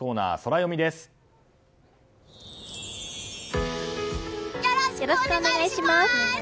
よろしくお願いします！